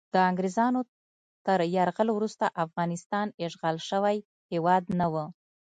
د انګریزانو تر یرغل وروسته افغانستان اشغال شوی هیواد نه و.